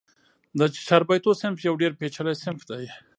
د چاربیتو صنف یو ډېر پېچلی صنف دئ.